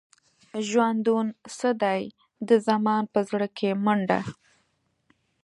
ژوندون څه دی؟ د زمان په زړه کې منډه.